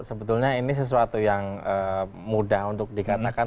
sebetulnya ini sesuatu yang mudah untuk dikatakan